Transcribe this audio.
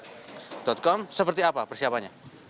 dan juga detik com seperti apa persiapannya